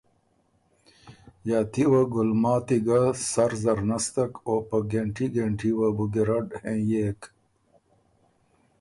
ݫاتي وه ګلماتي ګه سر زر نستک او په ګهېنټي ګهېنټی وه بُو ګیرډ هېنئېک